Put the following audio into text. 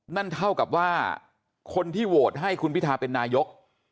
นั่นเท่ากับว่าคนที่โหวตให้คุณพิทาเป็นนายก